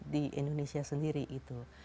di indonesia sendiri itu